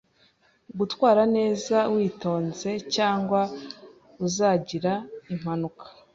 Gutwara neza witonze, cyangwa uzagira impanuka.